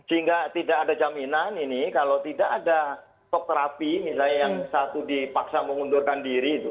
sehingga tidak ada jaminan ini kalau tidak ada stok terapi misalnya yang satu dipaksa mengundurkan diri itu